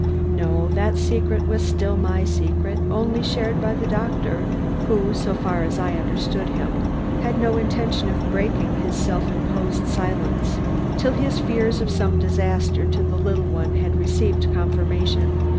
No, that secret was still my secret, only shared by the doctor, who, so far as I understood him, had no intention of breaking his self imposed silence till his fears of some disaster to the little one had received confirmation.